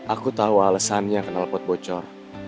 aku tau alesannya kenal pot bocor